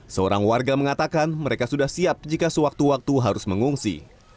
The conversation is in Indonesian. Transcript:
seorang warga mengatakan mereka sudah siap jika sewaktu waktu harus mengungsi